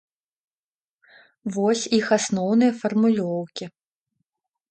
Вось іх асноўныя фармулёўкі.